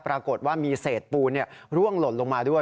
ปรากฏว่ามีเศษปูนร่วงหล่นลงมาด้วย